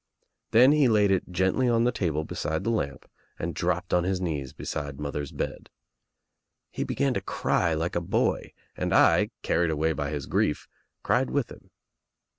Then he laid it gently on the table beside the lamp and dropped on his knees beside mother's bed. He began to cry like a boy and I, carried away by his grief, cried with him.